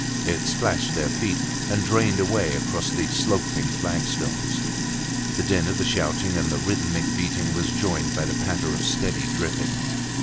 It splashed their feet and drained away across the sloping flagstones. The din of the shouting and the rhythmic beating was joined by the patter of steady dripping.